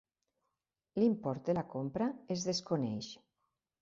L'import de la compra es desconeix.